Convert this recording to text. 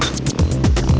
wah keren banget